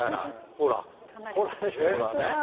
ほら、ほらね。